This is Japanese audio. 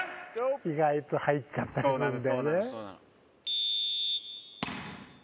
意外と入っちゃったりするんだよね。